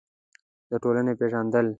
د ټولنې پېژندل: